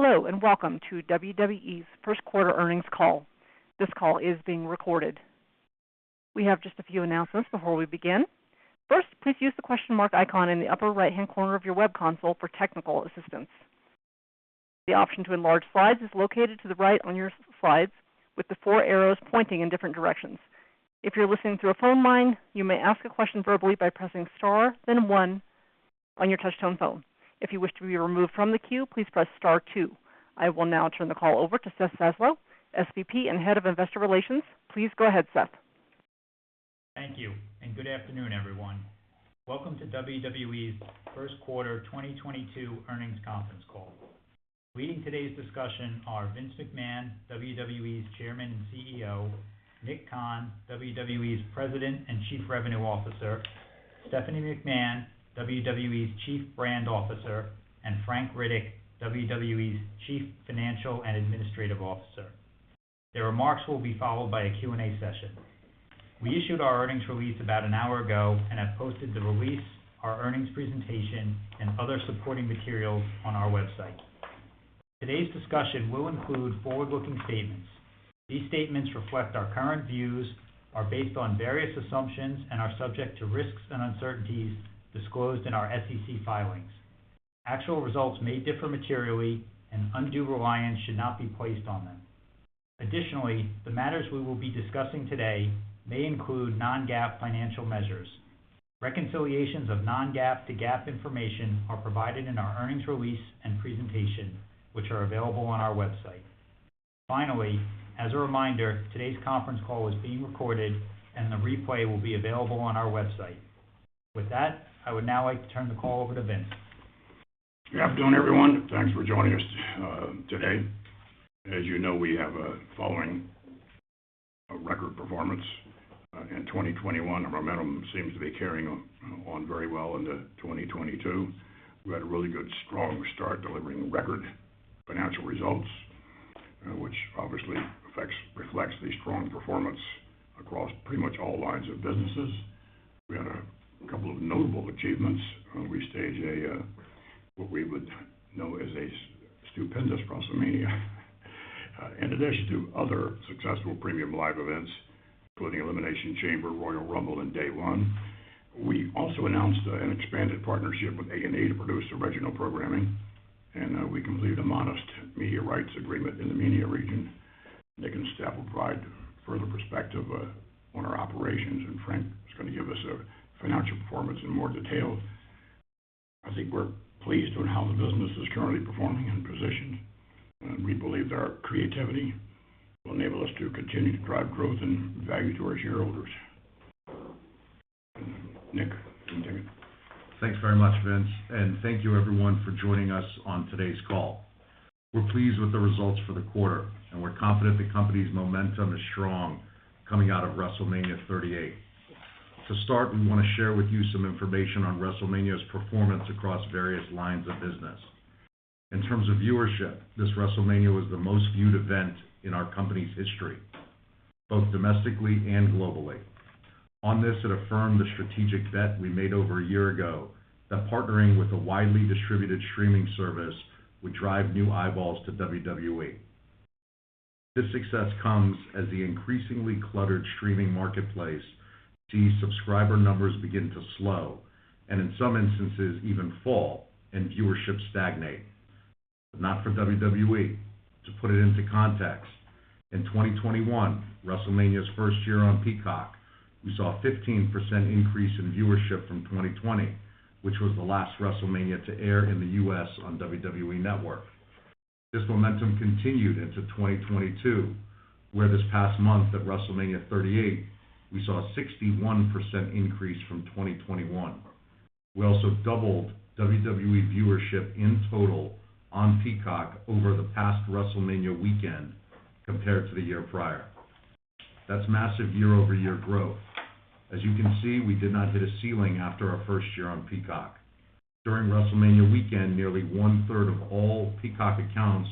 Hello, and welcome to WWE's First Quarter Earnings Call. This call is being recorded. We have just a few announcements before we begin. First, please use the question mark icon in the upper right-hand corner of your web console for technical assistance. The option to enlarge slides is located to the right on your slides with the four arrows pointing in different directions. If you're listening through a phone line, you may ask a question verbally by pressing Star, then one on your touchtone phone. If you wish to be removed from the queue, please press star two. I will now turn the call over to Seth Zaslow, SVP and Head of Investor Relations. Please go ahead, Seth. Thank you, and good afternoon, everyone. Welcome to WWE's first quarter 2022 earnings conference call. Leading today's discussion are Vince McMahon, WWE's Chairman and CEO; Nick Khan, WWE's President and Chief Revenue Officer; Stephanie McMahon, WWE's Chief Brand Officer; and Frank Riddick, WWE's Chief Financial and Administrative Officer. Their remarks will be followed by a Q&A session. We issued our earnings release about an hour ago and have posted the release, our earnings presentation, and other supporting materials on our website. Today's discussion will include forward-looking statements. These statements reflect our current views, are based on various assumptions and are subject to risks and uncertainties disclosed in our SEC filings. Actual results may differ materially and undue reliance should not be placed on them. Additionally, the matters we will be discussing today may include non-GAAP financial measures. Reconciliations of non-GAAP to GAAP information are provided in our earnings release and presentation, which are available on our website. Finally, as a reminder, today's conference call is being recorded and the replay will be available on our website. With that, I would now like to turn the call over to Vince. Good afternoon, everyone. Thanks for joining us today. As you know, we have a following of record performance in 2021. Our momentum seems to be carrying on very well into 2022. We had a really good strong start delivering record financial results, which obviously reflects the strong performance across pretty much all lines of businesses. We had a couple of notable achievements. We staged a what we would know as a stupendous WrestleMania. In addition to other successful premium live events, including Elimination Chamber, Royal Rumble in Day 1, we also announced an expanded partnership with A&E to produce original programming, and we completed a modest media rights agreement in the MENA region. Nick and Seth will provide further perspective on our operations, and Frank is going to give us a financial performance in more detail. I think we're pleased on how the business is currently performing and positioned, and we believe that our creativity will enable us to continue to drive growth and value to our shareholders. Nick, do you want to take it? Thanks very much, Vince, and thank you everyone for joining us on today's call. We're pleased with the results for the quarter, and we're confident the company's momentum is strong coming out of WrestleMania 38. To start, we want to share with you some information on WrestleMania's performance across various lines of business. In terms of viewership, this WrestleMania was the most viewed event in our company's history, both domestically and globally. On this, it affirmed the strategic bet we made over a year ago that partnering with a widely distributed streaming service would drive new eyeballs to WWE. This success comes as the increasingly cluttered streaming marketplace sees subscriber numbers begin to slow, and in some instances, even fall and viewership stagnate. Not for WWE. To put it into context, in 2021, WrestleMania's first year on Peacock, we saw a 15% increase in viewership from 2020, which was the last WrestleMania to air in the U.S. on WWE Network. This momentum continued into 2022, where this past month at WrestleMania 38, we saw a 61% increase from 2021. We also doubled WWE viewership in total on Peacock over the past WrestleMania weekend compared to the year prior. That's massive year-over-year growth. As you can see, we did not hit a ceiling after our first year on Peacock. During WrestleMania weekend, nearly 1/3 of all Peacock accounts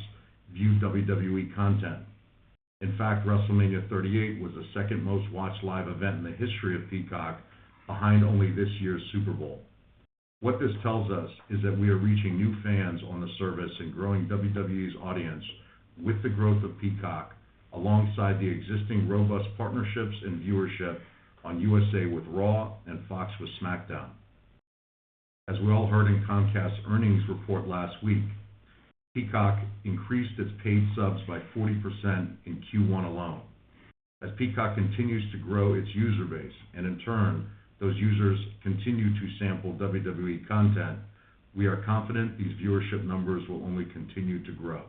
viewed WWE content. In fact, WrestleMania 38 was the second most-watched live event in the history of Peacock behind only this year's Super Bowl. What this tells us is that we are reaching new fans on the service and growing WWE's audience with the growth of Peacock alongside the existing robust partnerships and viewership on USA with Raw and Fox with SmackDown. As we all heard in Comcast's earnings report last week, Peacock increased its paid subs by 40% in Q1 alone. As Peacock continues to grow its user base, and in turn, those users continue to sample WWE content, we are confident these viewership numbers will only continue to grow.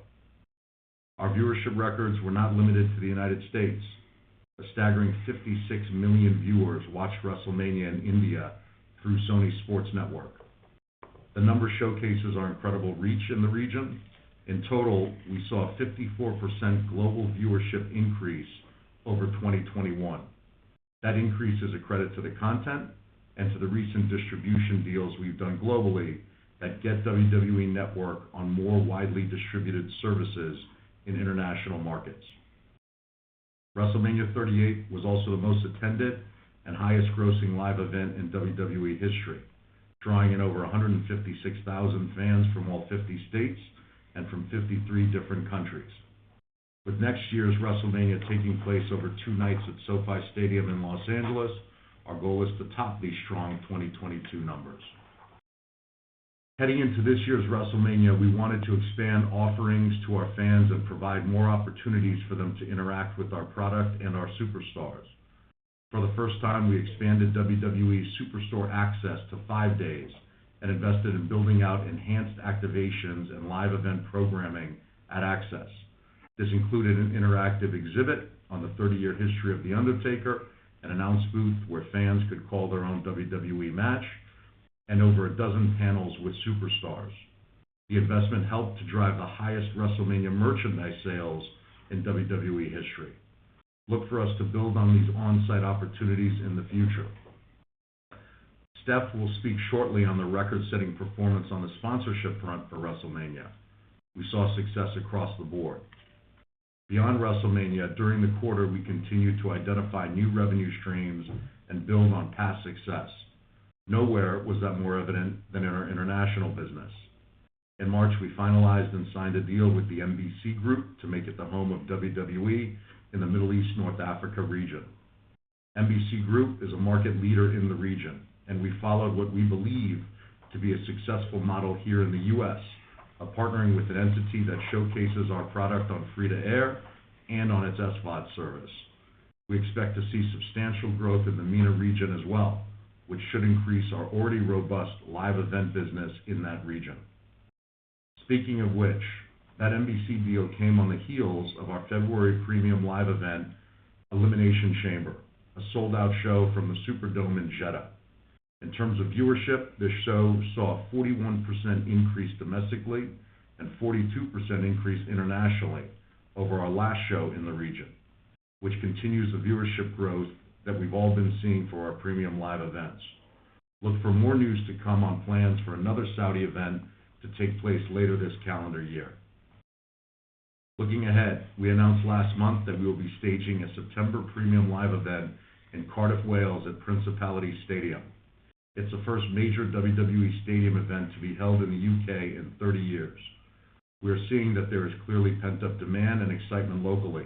Our viewership records were not limited to the United States. A staggering 56 million viewers watched WrestleMania in India through Sony Sports Network. The number showcases our incredible reach in the region. In total, we saw a 54% global viewership increase over 2021. That increase is a credit to the content and to the recent distribution deals we've done globally that get WWE Network on more widely distributed services in international markets. WrestleMania 38 was also the most attended and highest grossing live event in WWE history, drawing in over 156,000 fans from all 50 states and from 53 different countries. With next year's WrestleMania taking place over two nights at SoFi Stadium in Los Angeles, our goal is to top these strong 2022 numbers. Heading into this year's WrestleMania, we wanted to expand offerings to our fans and provide more opportunities for them to interact with our product and our superstars. For the first time, we expanded WWE Superstore Axxess to five days and invested in building out enhanced activations and live event programming at Axxess. This included an interactive exhibit on the 30-year history of The Undertaker, an announce booth where fans could call their own WWE match, and over a dozen panels with superstars. The investment helped to drive the highest WrestleMania merchandise sales in WWE history. Look for us to build on these on-site opportunities in the future. Steph will speak shortly on the record-setting performance on the sponsorship front for WrestleMania. We saw success across the board. Beyond WrestleMania, during the quarter, we continued to identify new revenue streams and build on past success. Nowhere was that more evident than in our international business. In March, we finalized and signed a deal with the MBC Group to make it the home of WWE in the Middle East North Africa region. MBC Group is a market leader in the region, and we followed what we believe to be a successful model here in the U.S. of partnering with an entity that showcases our product on free-to-air and on its SVOD service. We expect to see substantial growth in the MENA region as well, which should increase our already robust live event business in that region. Speaking of which, that MBC deal came on the heels of our February premium live event, Elimination Chamber, a sold-out show from the Jeddah Superdome in Jeddah. In terms of viewership, this show saw a 41% increase domestically and 42% increase internationally over our last show in the region, which continues the viewership growth that we've all been seeing for our premium live events. Look for more news to come on plans for another Saudi event to take place later this calendar year. Looking ahead, we announced last month that we will be staging a September premium live event in Cardiff, Wales, at Principality Stadium. It's the first major WWE stadium event to be held in the U.K. in 30 years. We are seeing that there is clearly pent-up demand and excitement locally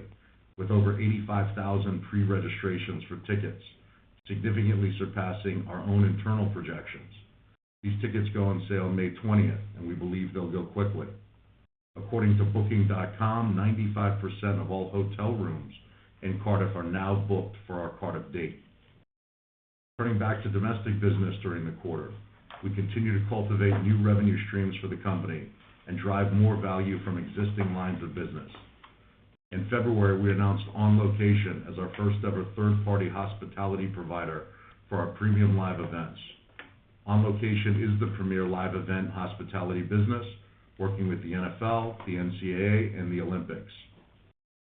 with over 85,000 pre-registrations for tickets, significantly surpassing our own internal projections. These tickets go on sale May 20, and we believe they'll go quickly. According to Booking.com, 95% of all hotel rooms in Cardiff are now booked for our Cardiff date. Turning back to domestic business during the quarter, we continue to cultivate new revenue streams for the company and drive more value from existing lines of business. In February, we announced On Location as our first-ever third-party hospitality provider for our premium live events. On Location is the premier live event hospitality business working with the NFL, the NCAA, and the Olympics.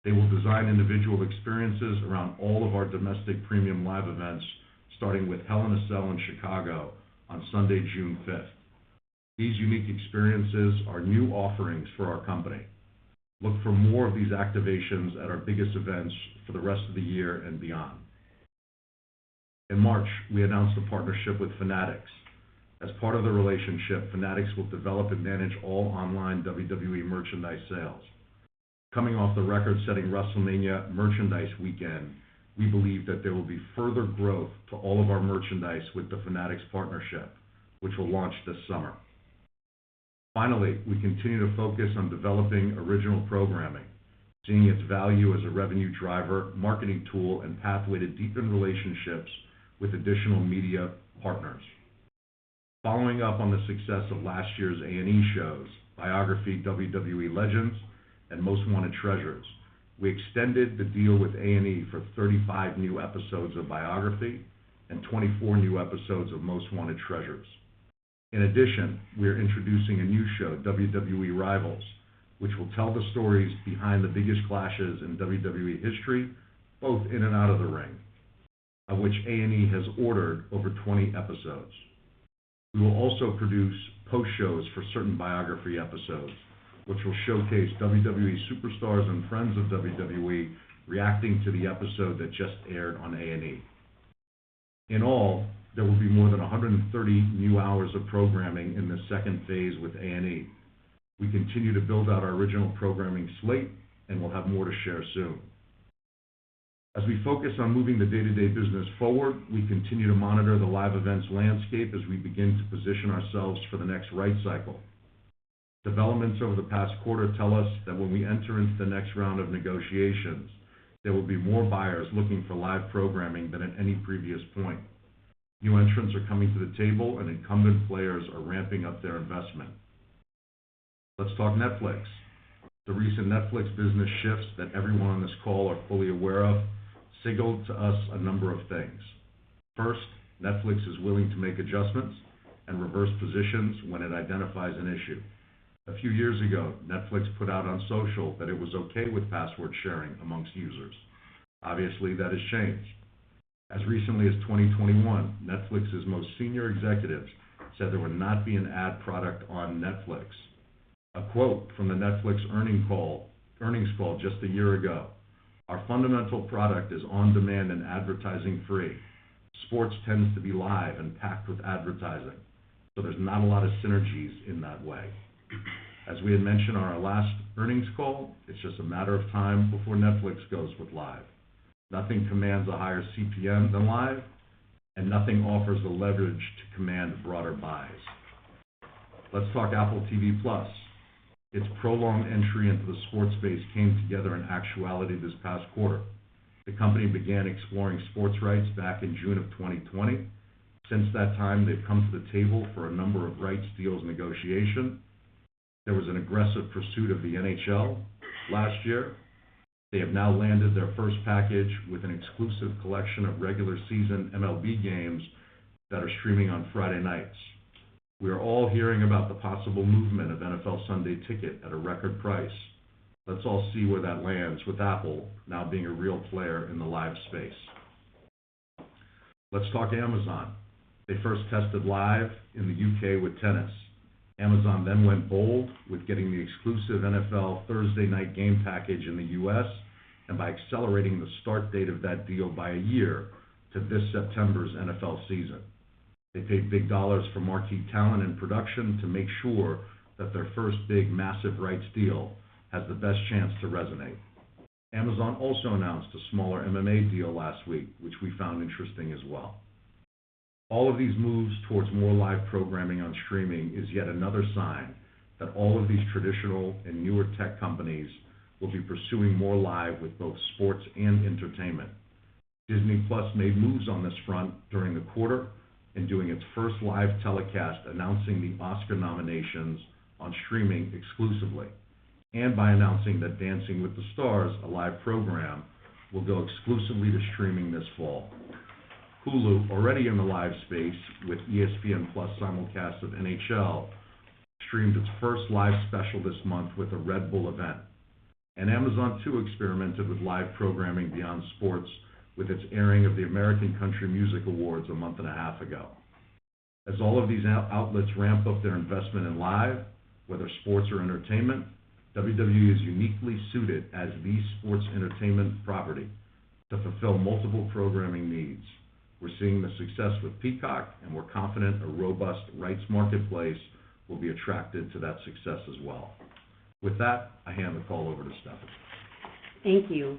They will design individual experiences around all of our domestic premium live events, starting with Hell in a Cell in Chicago on Sunday, June fifth. These unique experiences are new offerings for our company. Look for more of these activations at our biggest events for the rest of the year and beyond. In March, we announced a partnership with Fanatics. As part of the relationship, Fanatics will develop and manage all online WWE merchandise sales. Coming off the record-setting WrestleMania merchandise weekend, we believe that there will be further growth to all of our merchandise with the Fanatics partnership, which will launch this summer. Finally, we continue to focus on developing original programming, seeing its value as a revenue driver, marketing tool, and pathway to deepen relationships with additional media partners. Following up on the success of last year's A&E shows, Biography: WWE Legends and Most Wanted Treasures, we extended the deal with A&E for 35 new episodes of Biography and 24 new episodes of Most Wanted Treasures. In addition, we are introducing a new show, WWE Rivals, which will tell the stories behind the biggest clashes in WWE history, both in and out of the ring, of which A&E has ordered over 20 episodes. We will also produce post shows for certain Biography episodes, which will showcase WWE superstars and friends of WWE reacting to the episode that just aired on A&E. In all, there will be more than 130 new hours of programming in this second phase with A&E. We continue to build out our original programming slate, and we'll have more to share soon. As we focus on moving the day-to-day business forward, we continue to monitor the live events landscape as we begin to position ourselves for the next rights cycle. Developments over the past quarter tell us that when we enter into the next round of negotiations, there will be more buyers looking for live programming than at any previous point. New entrants are coming to the table, and incumbent players are ramping up their investment. Let's talk Netflix. The recent Netflix business shifts that everyone on this call are fully aware of signaled to us a number of things. First, Netflix is willing to make adjustments and reverse positions when it identifies an issue. A few years ago, Netflix put out on social that it was okay with password sharing among users. Obviously, that has changed. As recently as 2021, Netflix's most senior executives said there would not be an ad product on Netflix. A quote from the Netflix earnings call just a year ago, "Our fundamental product is on-demand and advertising free. Sports tends to be live and packed with advertising, so there's not a lot of synergies in that way." As we had mentioned on our last earnings call, it's just a matter of time before Netflix goes live. Nothing commands a higher CPM than live, and nothing offers the leverage to command broader buys. Let's talk Apple TV+. Its prolonged entry into the sports space came together in actuality this past quarter. The company began exploring sports rights back in June of 2020. Since that time, they've come to the table for a number of rights deals negotiation. There was an aggressive pursuit of the NHL last year. They have now landed their first package with an exclusive collection of regular season MLB games that are streaming on Friday nights. We are all hearing about the possible movement of NFL Sunday Ticket at a record price. Let's all see where that lands with Apple now being a real player in the live space. Let's talk Amazon. They first tested live in the U.K. with tennis. Amazon then went bold with getting the exclusive NFL Thursday night game package in the U.S. and by accelerating the start date of that deal by a year to this September's NFL season. They paid big dollars for marquee talent and production to make sure that their first big massive rights deal has the best chance to resonate. Amazon also announced a smaller MMA deal last week, which we found interesting as well. All of these moves towards more live programming on streaming is yet another sign that all of these traditional and newer tech companies will be pursuing more live with both sports and entertainment. Disney+ made moves on this front during the quarter in doing its first live telecast announcing the Oscar nominations on streaming exclusively, and by announcing that Dancing with the Stars, a live program, will go exclusively to streaming this fall. Hulu, already in the live space with ESPN+ simulcast of NHL, streamed its first live special this month with a Red Bull event. Amazon too experimented with live programming beyond sports with its airing of the Academy of Country Music Awards a month and a half ago. All of these outlets ramp up their investment in live, whether sports or entertainment, WWE is uniquely suited as the sports entertainment property to fulfill multiple programming needs. We're seeing the success with Peacock, and we're confident a robust rights marketplace will be attracted to that success as well. With that, I hand the call over to Stephanie. Thank you.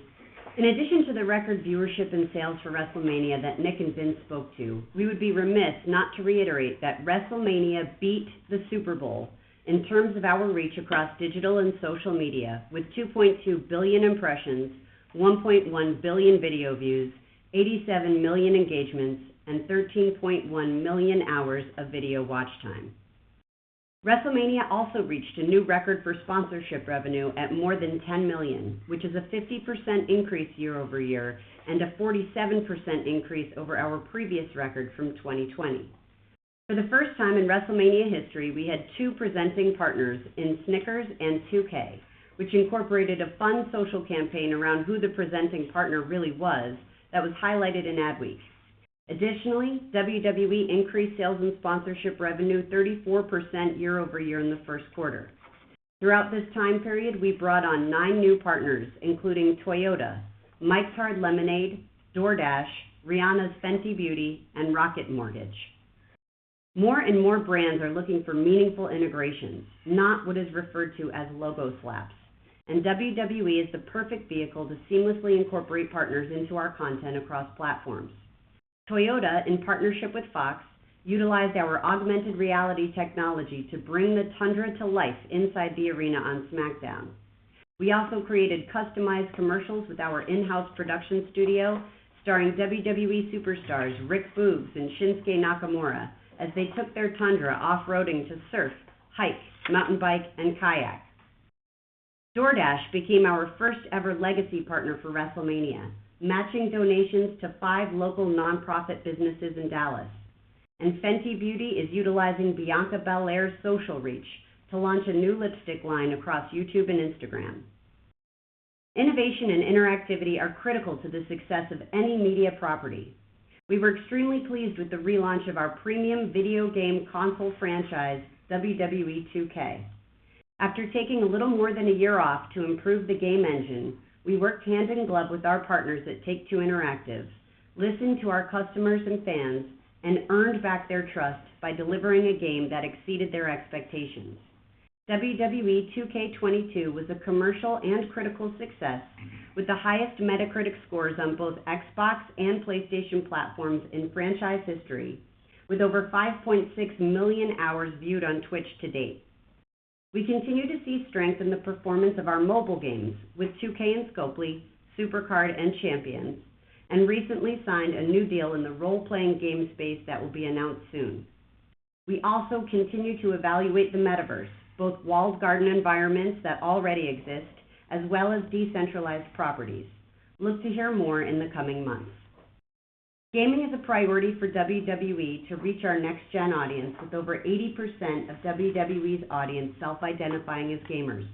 In addition to the record viewership and sales for WrestleMania that Nick and Vince spoke to, we would be remiss not to reiterate that WrestleMania beat the Super Bowl in terms of our reach across digital and social media with 2.2 billion impressions, 1.1 billion video views, 87 million engagements, and 13.1 million hours of video watch time. WrestleMania also reached a new record for sponsorship revenue at more than $10 million, which is a 50% increase year over year and a 47% increase over our previous record from 2020. For the first time in WrestleMania history, we had two presenting partners in Snickers and 2K, which incorporated a fun social campaign around who the presenting partner really was that was highlighted in Adweek. Additionally, WWE increased sales and sponsorship revenue 34% year-over-year in the first quarter. Throughout this time period, we brought on nine new partners, including Toyota, Mike's Hard Lemonade, DoorDash, Rihanna's Fenty Beauty, and Rocket Mortgage. More and more brands are looking for meaningful integrations, not what is referred to as logo slaps, and WWE is the perfect vehicle to seamlessly incorporate partners into our content across platforms. Toyota, in partnership with Fox, utilized our augmented reality technology to bring the Tundra to life inside the arena on SmackDown. We also created customized commercials with our in-house production studio starring WWE superstars Rick Boogs and Shinsuke Nakamura as they took their Tundra off-roading to surf, hike, mountain bike, and kayak. DoorDash became our first ever legacy partner for WrestleMania, matching donations to five local nonprofit businesses in Dallas. Fenty Beauty is utilizing Bianca Belair's social reach to launch a new lipstick line across YouTube and Instagram. Innovation and interactivity are critical to the success of any media property. We were extremely pleased with the relaunch of our premium video game console franchise, WWE 2K. After taking a little more than a year off to improve the game engine, we worked hand in glove with our partners at Take-Two Interactive, listened to our customers and fans, and earned back their trust by delivering a game that exceeded their expectations. WWE 2K22 was a commercial and critical success with the highest Metacritic scores on both Xbox and PlayStation platforms in franchise history, with over 5.6 million hours viewed on Twitch to date. We continue to see strength in the performance of our mobile games with 2K and Scopely, SuperCard, and Champions, and recently signed a new deal in the role-playing game space that will be announced soon. We also continue to evaluate the Metaverse, both walled garden environments that already exist, as well as decentralized properties. Look to hear more in the coming months. Gaming is a priority for WWE to reach our next gen audience with over 80% of WWE's audience self-identifying as gamers.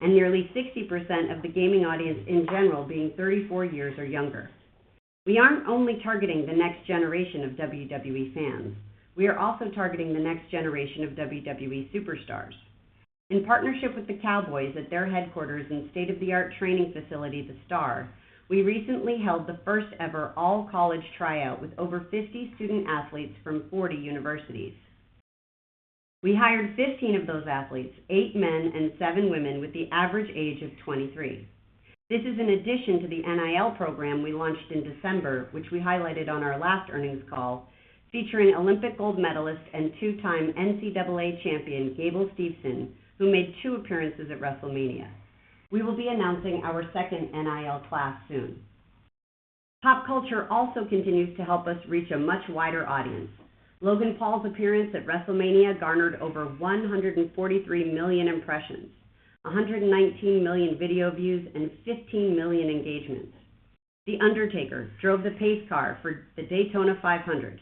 Nearly 60% of the gaming audience in general being 34 years or younger. We aren't only targeting the next generation of WWE fans. We are also targeting the next generation of WWE superstars. In partnership with the Dallas Cowboys at their headquarters and state-of-the-art training facility, The Star, we recently held the first-ever all-college tryout with over 50 student-athletes from 40 universities. We hired 15 of those athletes, eight men and seven women, with the average age of 23. This is in addition to the NIL program we launched in December, which we highlighted on our last earnings call, featuring Olympic gold medalist and two-time NCAA champion, Gable Steveson, who made two appearances at WrestleMania. We will be announcing our second NIL class soon. Pop culture also continues to help us reach a much wider audience. Logan Paul's appearance at WrestleMania garnered over 143 million impressions, 119 million video views, and 15 million engagements. The Undertaker drove the pace car for the Daytona 500.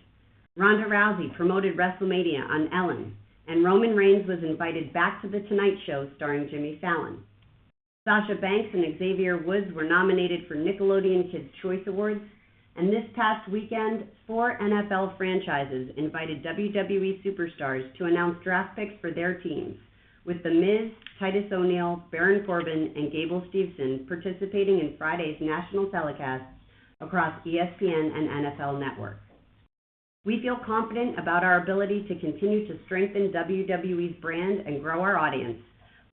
Ronda Rousey promoted WrestleMania on Ellen, and Roman Reigns was invited back to The Tonight Show Starring Jimmy Fallon. Sasha Banks and Xavier Woods were nominated for Nickelodeon Kids' Choice Awards. This past weekend, four NFL franchises invited WWE superstars to announce draft picks for their teams with The Miz, Titus O'Neil, Baron Corbin, and Gable Steveson participating in Friday's national telecast across ESPN and NFL networks. We feel confident about our ability to continue to strengthen WWE's brand and grow our audience,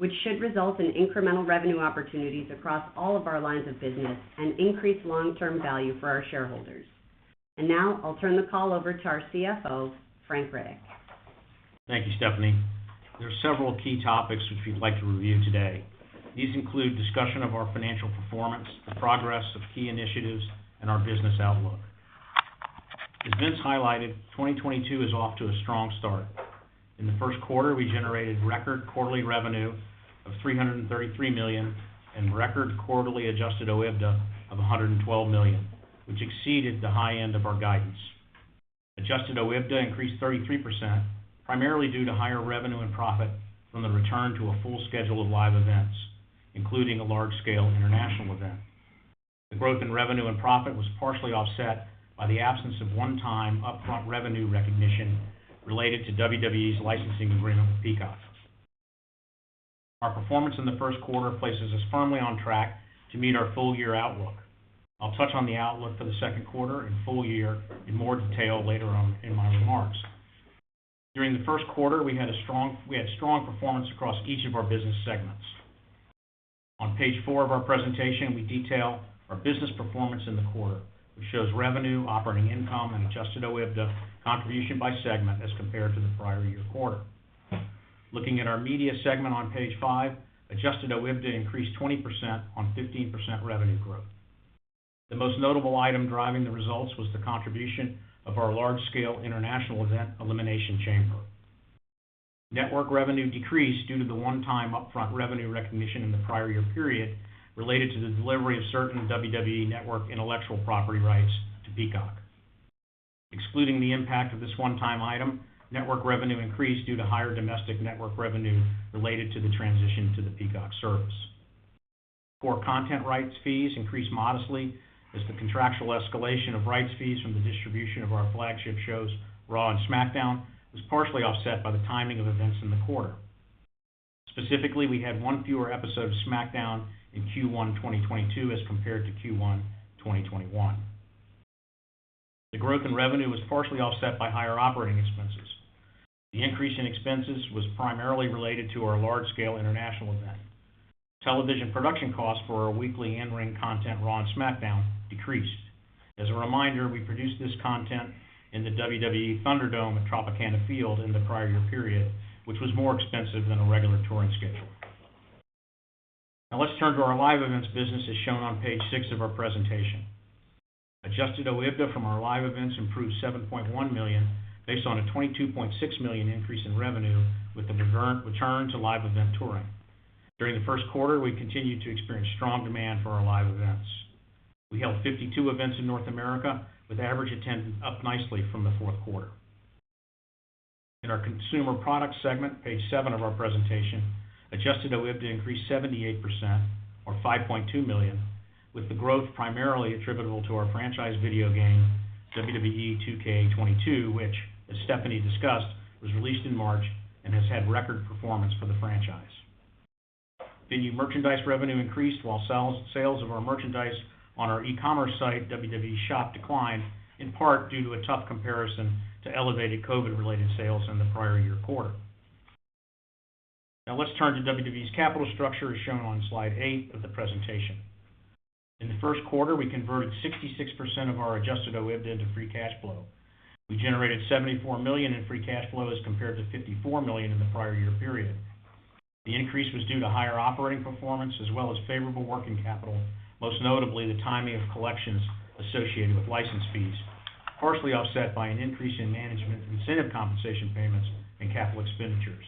which should result in incremental revenue opportunities across all of our lines of business and increase long-term value for our shareholders. Now I'll turn the call over to our CFO, Frank Riddick. Thank you, Stephanie. There are several key topics which we'd like to review today. These include discussion of our financial performance, the progress of key initiatives, and our business outlook. As Vince highlighted, 2022 is off to a strong start. In the first quarter, we generated record quarterly revenue of $333 million and record quarterly adjusted OIBDA of $112 million, which exceeded the high end of our guidance. Adjusted OIBDA increased 33%, primarily due to higher revenue and profit from the return to a full schedule of live events, including a large-scale international event. The growth in revenue and profit was partially offset by the absence of one-time upfront revenue recognition related to WWE's licensing agreement with Peacock. Our performance in the first quarter places us firmly on track to meet our full-year outlook. I'll touch on the outlook for the second quarter and full year in more detail later on in my remarks. During the first quarter, we had strong performance across each of our business segments. On page four of our presentation, we detail our business performance in the quarter, which shows revenue, operating income, and adjusted OIBDA contribution by segment as compared to the prior year quarter. Looking at our media segment on page five, adjusted OIBDA increased 20% on 15% revenue growth. The most notable item driving the results was the contribution of our large-scale international event, Elimination Chamber. Network revenue decreased due to the one-time upfront revenue recognition in the prior year period related to the delivery of certain WWE Network intellectual property rights to Peacock. Excluding the impact of this one-time item, network revenue increased due to higher domestic network revenue related to the transition to the Peacock service. Core content rights fees increased modestly as the contractual escalation of rights fees from the distribution of our flagship shows, Raw and SmackDown, was partially offset by the timing of events in the quarter. Specifically, we had one fewer episode of SmackDown in Q1 2022 as compared to Q1 2021. The growth in revenue was partially offset by higher operating expenses. The increase in expenses was primarily related to our large-scale international event. Television production costs for our weekly in-ring content, Raw and SmackDown, decreased. As a reminder, we produced this content in the WWE ThunderDome at Tropicana Field in the prior year period, which was more expensive than a regular touring schedule. Now let's turn to our live events business as shown on page six of our presentation. Adjusted OIBDA from our live events improved $7.1 million based on a $22.6 million increase in revenue with the return to live event touring. During the first quarter, we continued to experience strong demand for our live events. We held 52 events in North America with average attendance up nicely from the fourth quarter. In our consumer products segment, page seven of our presentation, adjusted OIBDA increased 78% or $5.2 million, with the growth primarily attributable to our franchise video game, WWE 2K22, which, as Stephanie discussed, was released in March and has had record performance for the franchise. Venue merchandise revenue increased while sales of our merchandise on our e-commerce site, WWE Shop, declined, in part due to a tough comparison to elevated COVID-related sales in the prior year quarter. Now let's turn to WWE's capital structure as shown on Slide eight of the presentation. In the first quarter, we converted 66% of our adjusted OIBDA into free cash flow. We generated $74 million in free cash flow as compared to $54 million in the prior year period. The increase was due to higher operating performance as well as favorable working capital, most notably the timing of collections associated with license fees, partially offset by an increase in management incentive compensation payments and capital expenditures.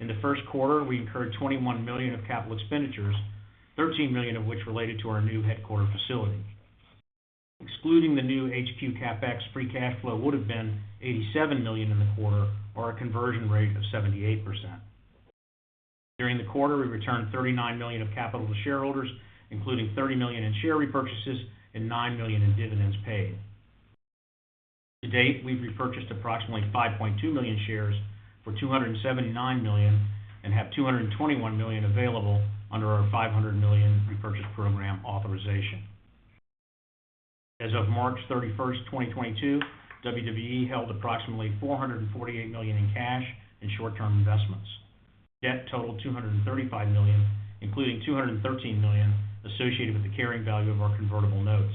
In the first quarter, we incurred $21 million of capital expenditures, $13 million of which related to our new headquarter facility. Excluding the new HQ CapEx, free cash flow would have been $87 million in the quarter, or a conversion rate of 78%. During the quarter, we returned $39 million of capital to shareholders, including $30 million in share repurchases and $9 million in dividends paid. To date, we've repurchased approximately 5.2 million shares for $279 million and have $221 million available under our $500 million repurchase program authorization. As of March 31, 2022, WWE held approximately $448 million in cash and short-term investments. Debt totaled $235 million, including $213 million associated with the carrying value of our convertible notes.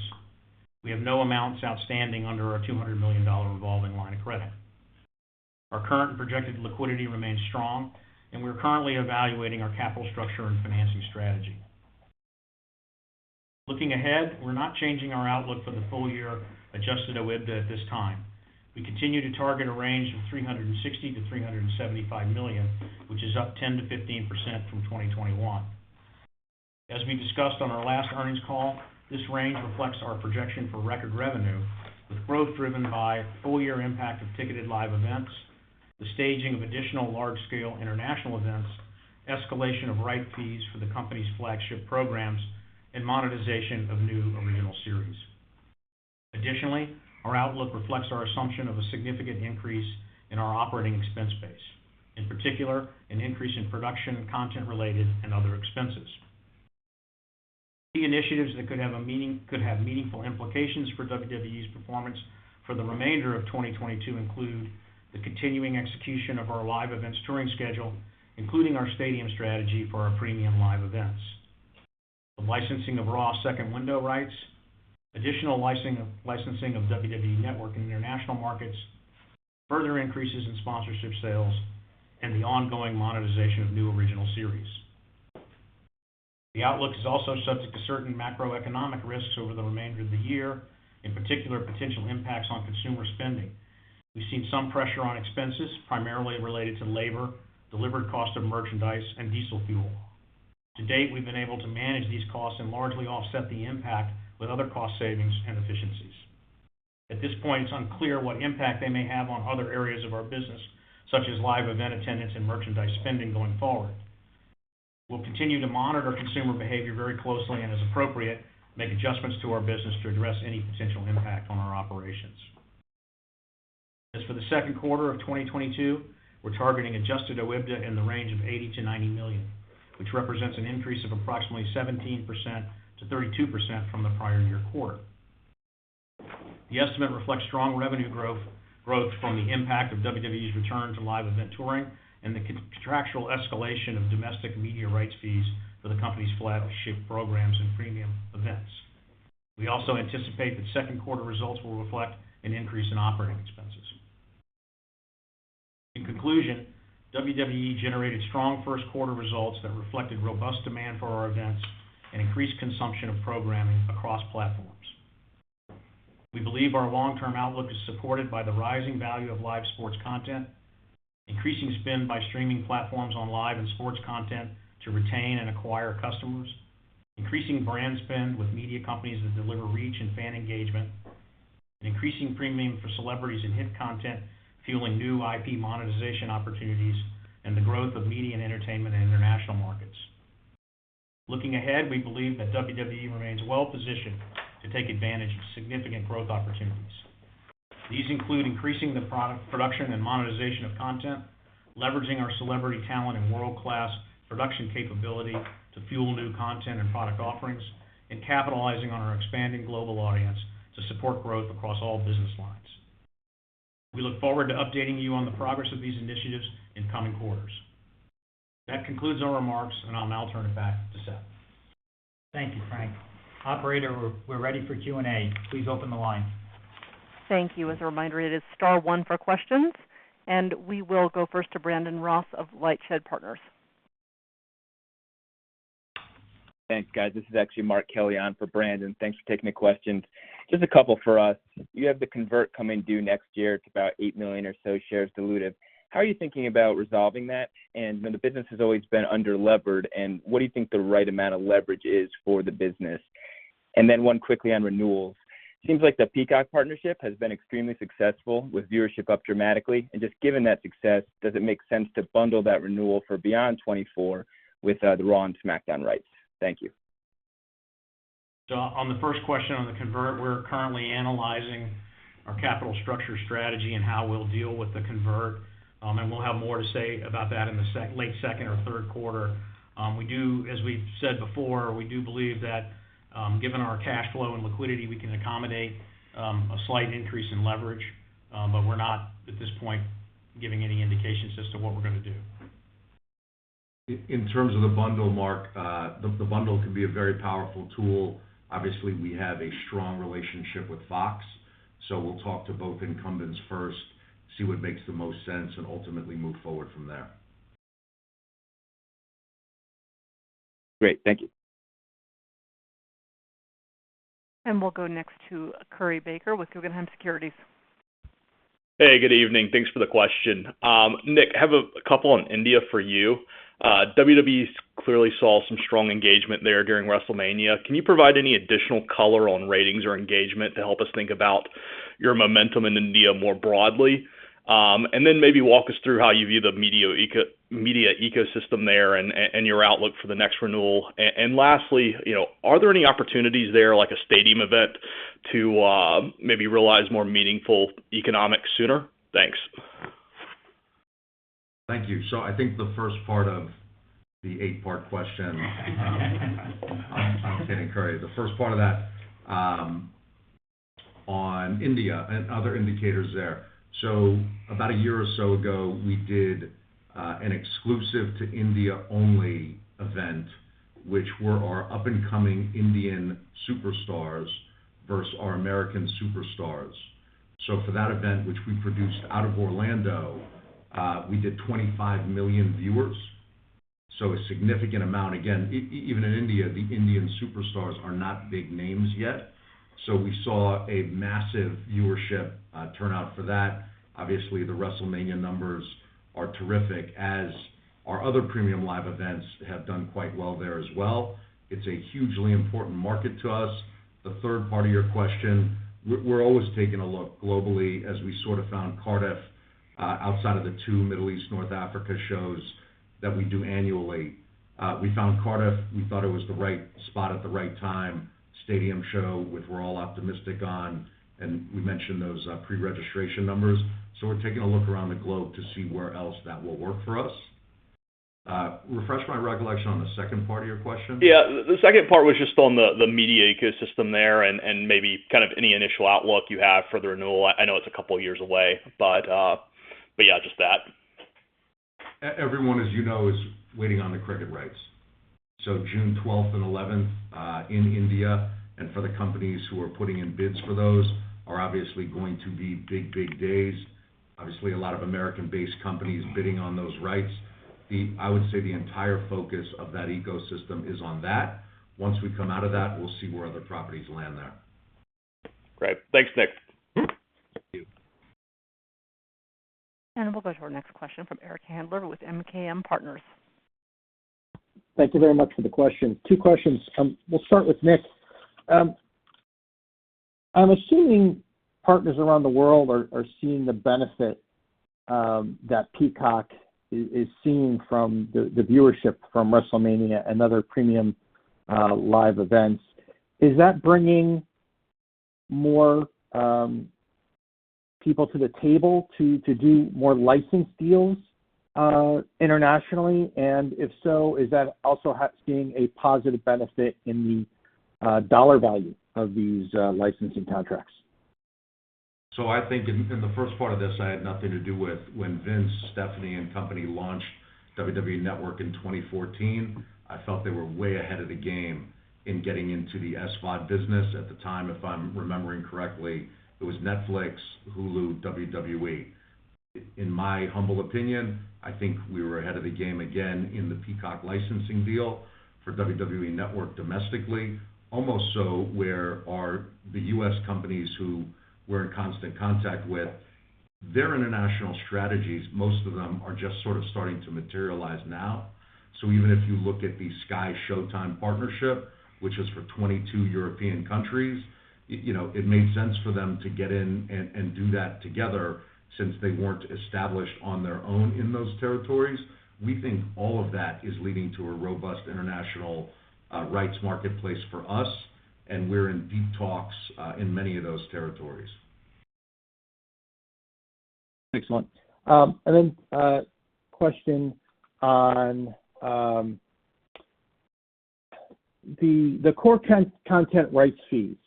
We have no amounts outstanding under our $200 million revolving line of credit. Our current projected liquidity remains strong, and we're currently evaluating our capital structure and financing strategy. Looking ahead, we're not changing our outlook for the full year adjusted OIBDA at this time. We continue to target a range of $360 million to $375 million, which is up 10% to 15% from 2021. As we discussed on our last earnings call, this range reflects our projection for record revenue, with growth driven by full-year impact of ticketed live events, the staging of additional large-scale international events, escalation of rights fees for the company's flagship programs, and monetization of new original series. Additionally, our outlook reflects our assumption of a significant increase in our operating expense base, in particular, an increase in production, content-related and other expenses. Key initiatives that could have meaningful implications for WWE's performance for the remainder of 2022 include the continuing execution of our live events touring schedule, including our stadium strategy for our premium live events, the licensing of Raw second window rights, additional licensing of WWE Network in international markets, further increases in sponsorship sales, and the ongoing monetization of new original series. The outlook is also subject to certain macroeconomic risks over the remainder of the year, in particular, potential impacts on consumer spending. We've seen some pressure on expenses, primarily related to labor, delivered cost of merchandise, and diesel fuel. To date, we've been able to manage these costs and largely offset the impact with other cost savings and efficiencies. At this point, it's unclear what impact they may have on other areas of our business, such as live event attendance and merchandise spending going forward. We'll continue to monitor consumer behavior very closely and, as appropriate, make adjustments to our business to address any potential impact on our operations. As for the second quarter of 2022, we're targeting adjusted OIBDA in the range of $80 million-$90 million, which represents an increase of approximately 17%-32% from the prior year quarter. The estimate reflects strong revenue growth from the impact of WWE's return to live event touring and the contractual escalation of domestic media rights fees for the company's flagship programs and premium events. We also anticipate that second quarter results will reflect an increase in operating expenses. In conclusion, WWE generated strong first quarter results that reflected robust demand for our events and increased consumption of programming across platforms. We believe our long-term outlook is supported by the rising value of live sports content, increasing spend by streaming platforms on live and sports content to retain and acquire customers, increasing brand spend with media companies that deliver reach and fan engagement, increasing premium for celebrities and hit content, fueling new IP monetization opportunities, and the growth of media and entertainment in international markets. Looking ahead, we believe that WWE remains well positioned to take advantage of significant growth opportunities. These include increasing production and monetization of content, leveraging our celebrity talent and world-class production capability to fuel new content and product offerings, and capitalizing on our expanding global audience to support growth across all business lines. We look forward to updating you on the progress of these initiatives in coming quarters. That concludes our remarks, and I'll now turn it back to Seth. Thank you, Frank. Operator, we're ready for Q&A. Please open the line. Thank you. As a reminder, it is star one for questions, and we will go first to Brandon Ross of LightShed Partners. Thanks, guys. This is actually Mark Kelley on for Brandon. Thanks for taking the questions. Just a couple for us. You have the convertible coming due next year. It's about 8 million or so shares diluted. How are you thinking about resolving that? When the business has always been under-levered, and what do you think the right amount of leverage is for the business? Then one quickly on renewals. Seems like the Peacock partnership has been extremely successful, with viewership up dramatically. Just given that success, does it make sense to bundle that renewal for beyond 2024 with the Raw and SmackDown rights? Thank you. On the first question on the convert, we're currently analyzing our capital structure strategy and how we'll deal with the convert, and we'll have more to say about that in the late second or third quarter. As we've said before, we do believe that, given our cash flow and liquidity, we can accommodate a slight increase in leverage, but we're not at this point giving any indications as to what we're gonna do. In terms of the bundle, Mark, the bundle can be a very powerful tool. Obviously, we have a strong relationship with Fox, so we'll talk to both incumbents first, see what makes the most sense, and ultimately move forward from there. Great. Thank you. We'll go next to Curry Baker with Guggenheim Securities. Good evening. Thanks for the question. Nick, I have a couple on India for you. WWE clearly saw some strong engagement there during WrestleMania. Can you provide any additional color on ratings or engagement to help us think about your momentum in India more broadly? Maybe walk us through how you view the media ecosystem there and your outlook for the next renewal. Lastly, you know, are there any opportunities there like a stadium event to maybe realize more meaningful economics sooner? Thanks. Thank you. I think the first part of the eight-part question, I'll hit it first. The first part of that, on India and other indicators there. About a year or so ago, we did an exclusive to India only event, which were our up-and-coming Indian superstars versus our American superstars. For that event, which we produced out of Orlando, we did 25 million viewers, so a significant amount. Again, even in India, the Indian superstars are not big names yet. We saw a massive viewership turnout for that. Obviously, the WrestleMania numbers are terrific, as our other premium live events have done quite well there as well. It's a hugely important market to us. The third part of your question, we're always taking a look globally as we sort of found Cardiff outside of the two Middle East, North Africa shows that we do annually. We found Cardiff, we thought it was the right spot at the right time, stadium show, which we're all optimistic on, and we mentioned those pre-registration numbers. We're taking a look around the globe to see where else that will work for us. Refresh my recollection on the second part of your question. The second part was just on the media ecosystem there and maybe kind of any initial outlook you have for the renewal. I know it's a couple of years away, but yeah, just that. Everyone, as you know, is waiting on the cricket rights. June 12 and 11 in India, and for the companies who are putting in bids for those are obviously going to be big, big days. Obviously, a lot of American-based companies bidding on those rights. I would say the entire focus of that ecosystem is on that. Once we come out of that, we'll see where other properties land there. Great. Thanks, Nick. Thank you. We'll go to our next question from Eric Handler with MKM Partners. Thank you very much for the question. Two questions. We'll start with Nick. I'm assuming partners around the world are seeing the benefit that Peacock is seeing from the viewership from WrestleMania and other premium live events. Is that bringing more people to the table to do more license deals internationally? And if so, is that also seeing a positive benefit in the dollar value of these licensing contracts? I think in the first part of this, I had nothing to do with when Vince, Stephanie, and company launched WWE Network in 2014. I felt they were way ahead of the game in getting into the SVOD business. At the time, if I'm remembering correctly, it was Netflix, Hulu, WWE. In my humble opinion, I think we were ahead of the game again in the Peacock licensing deal for WWE Network domestically, almost so where our the US companies who we're in constant contact with, their international strategies, most of them are just sort of starting to materialize now. Even if you look at the SkyShowtime partnership, which is for 22 European countries, you know, it made sense for them to get in and do that together since they weren't established on their own in those territories. We think all of that is leading to a robust international rights marketplace for us, and we're in deep talks in many of those territories. Excellent. Question on the core content rights fees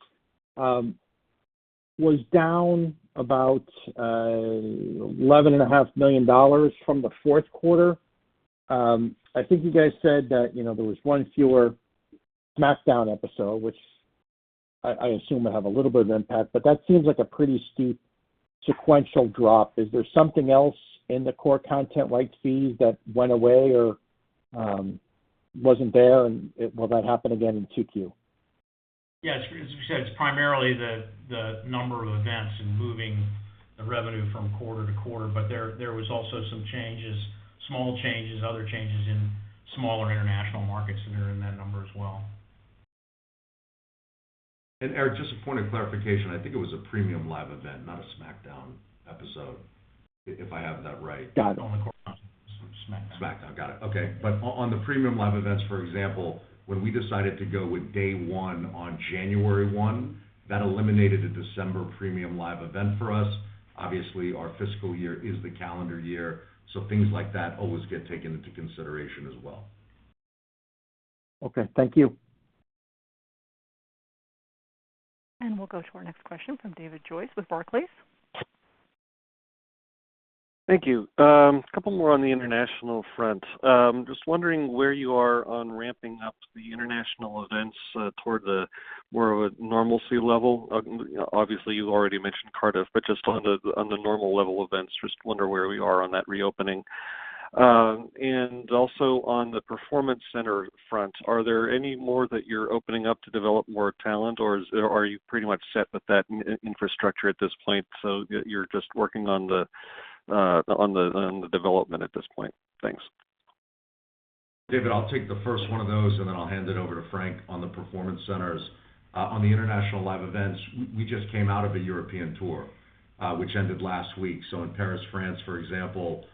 was down about $11.5 million from the fourth quarter. I think you guys said that, you know, there was one fewer SmackDown episode, which I assume would have a little bit of impact, but that seems like a pretty steep sequential drop. Is there something else in the core content rights fees that went away or wasn't there, and will that happen again in 2Q? Yes. As we said, it's primarily the number of events and moving the revenue from quarter to quarter. There was also some changes, small changes, other changes in smaller international markets that are in that number as well. Eric, just a point of clarification. I think it was a premium live event, not a SmackDown episode, if I have that right. Got it. On the core, it was SmackDown. Got it. Okay. But on the premium live events, for example, when we decided to go with Day 1 on January 1, that eliminated a December premium live event for us. Obviously, our fiscal year is the calendar year, so things like that always get taken into consideration as well. Okay. Thank you. We'll go to our next question from David Joyce with Barclays. Thank you. A couple more on the international front. Just wondering where you are on ramping up the international events toward the more of a normalcy level. Obviously, you already mentioned Cardiff, but just on the normal level events, just wondering where we are on that reopening. On the Performance Center front, are there any more that you're opening up to develop more talent, or are you pretty much set with that in infrastructure at this point, so you're just working on the development at this point? Thanks. David, I'll take the first one of those, and then I'll hand it over to Frank on the performance centers. On the international live events, we just came out of a European tour, which ended last week. In Paris, France, for example,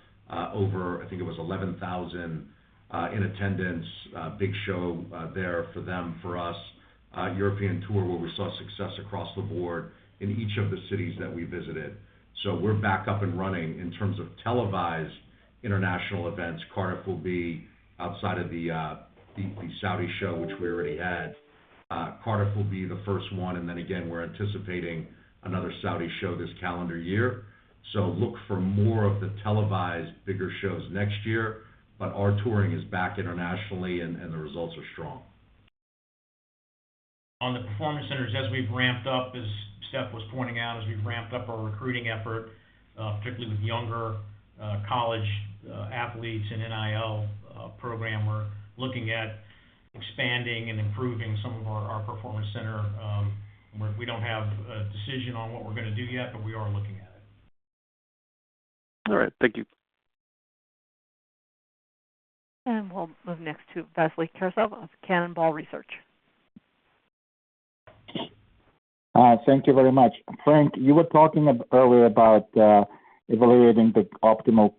over, I think it was 11,000 in attendance. Big show there for them, for us. European tour where we saw success across the board in each of the cities that we visited. We're back up and running in terms of televised international events. Cardiff will be outside of the Saudi show, which we already had. Cardiff will be the first one, and then again, we're anticipating another Saudi show this calendar year. Look for more of the televised bigger shows next year. Our touring is back internationally and the results are strong. On the performance centers, as we've ramped up, as Seth was pointing out, as we've ramped up our recruiting effort, particularly with younger college athletes in NIL program, we're looking at expanding and improving some of our performance center. We don't have a decision on what we're gonna do yet, but we are looking at it. All right. Thank you. We'll move next to Vasily Karasyov of Cannonball Research. Thank you very much. Frank, you were talking earlier about evaluating the optimal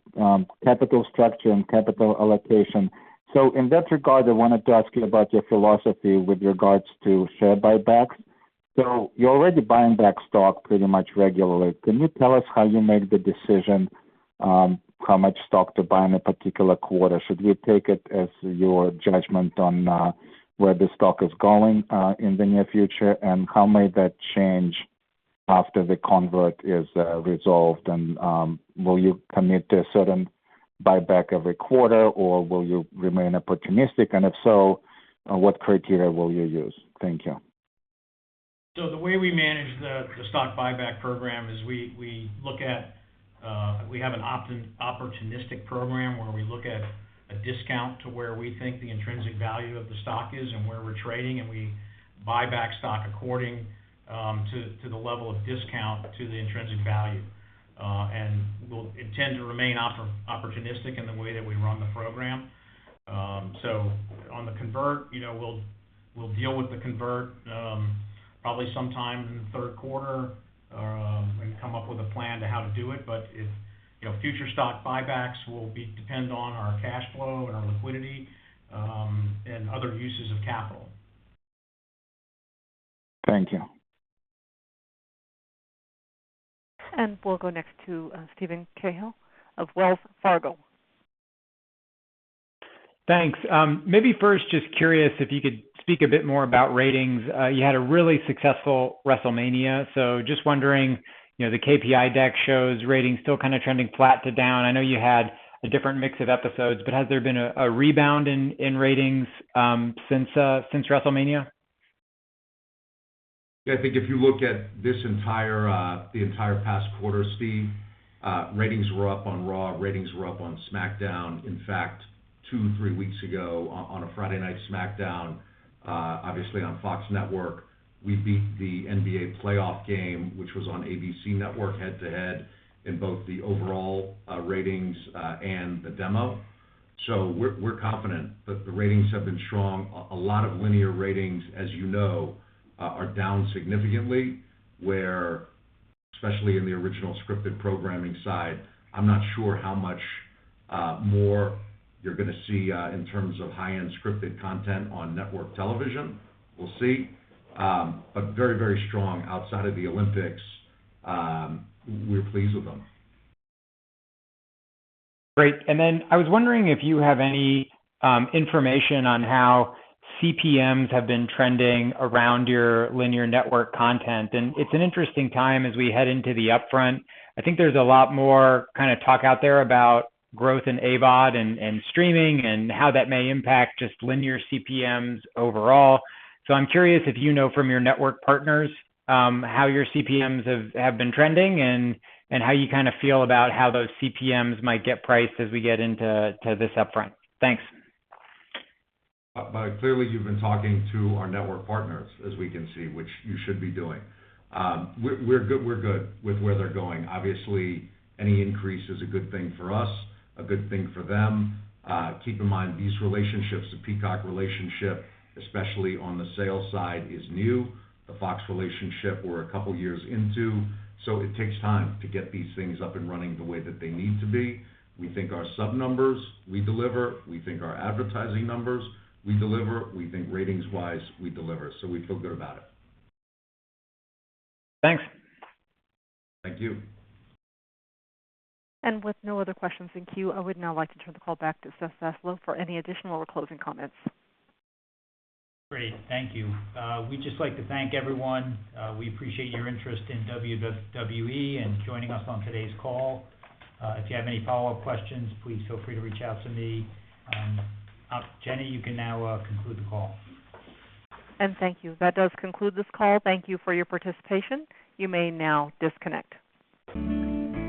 capital structure and capital allocation. In that regard, I wanted to ask you about your philosophy with regards to share buybacks. You're already buying back stock pretty much regularly. Can you tell us how you make the decision on how much stock to buy in a particular quarter? Should you take it as your judgment on where the stock is going in the near future? And how may that change after the convertible notes are resolved? Will you commit to a certain buyback every quarter, or will you remain opportunistic? And if so, what criteria will you use? Thank you. The way we manage the stock buyback program is we have an opportunistic program where we look at a discount to where we think the intrinsic value of the stock is and where we're trading, and we buy back stock according to the level of discount to the intrinsic value. We'll intend to remain opportunistic in the way that we run the program. On the convert, you know, we'll deal with the convert probably sometime in the third quarter and come up with a plan to how to do it. You know, future stock buybacks will be dependent on our cash flow and our liquidity and other uses of capital. Thank you. We'll go next to Steven Cahall of Wells Fargo. Thanks. Maybe first, just curious if you could speak a bit more about ratings. You had a really successful WrestleMania, so just wondering, you know, the KPI deck shows ratings still kind of trending flat to down. I know you had a different mix of episodes, but has there been a rebound in ratings since WrestleMania? I think if you look at this entire past quarter, Steve, ratings were up on Raw, ratings were up on SmackDown. In fact, two to three weeks ago, on a Friday night SmackDown, obviously on Fox Network, we beat the NBA playoff game, which was on ABC Network head-to-head in both the overall ratings and the demo. We're confident. The ratings have been strong. A lot of linear ratings, as you know, are down significantly, especially in the original scripted programming side. I'm not sure how much more you're gonna see in terms of high-end scripted content on network television. We'll see. Very strong outside of the Olympics. We're pleased with them. Great. Then I was wondering if you have any information on how CPMs have been trending around your linear network content. It's an interesting time as we head into the upfront. I think there's a lot more kind of talk out there about growth in AVOD and streaming and how that may impact just linear CPMs overall. I'm curious if you know from your network partners how your CPMs have been trending and how you kind of feel about how those CPMs might get priced as we get into this upfront. Thanks. Clearly, you've been talking to our network partners, as we can see, which you should be doing. We're good. We're good with where they're going. Obviously, any increase is a good thing for us, a good thing for them. Keep in mind, these relationships, the Peacock relationship, especially on the sales side, is new. The Fox relationship, we're a couple years into, so it takes time to get these things up and running the way that they need to be. We think our sub numbers, we deliver. We think our advertising numbers, we deliver. We think ratings-wise, we deliver. We feel good about it. Thanks. Thank you. With no other questions in queue, I would now like to turn the call back to Seth Zaslow for any additional closing comments. Great. Thank you. We'd just like to thank everyone. We appreciate your interest in WWE and joining us on today's call. If you have any follow-up questions, please feel free to reach out to me. Jenny, you can now conclude the call. Thank you. That does conclude this call. Thank you for your participation. You may now disconnect.